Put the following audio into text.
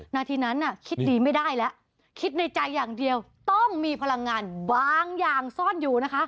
นาทีนั้นคิดดีไม่ได้แล้วคิดในใจอย่างเดียวต้องมีพลังงานบางอย่างซ่อนอยู่นะคะ